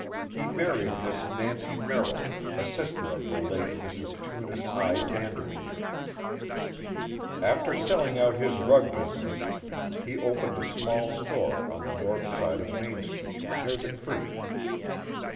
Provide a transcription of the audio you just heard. He married Miss Nancy Merrill, a sister of the late Mrs. Tunis I. Van Derveer, After selling out his rug business he opened a small store on the north side of Main Street, near the creek.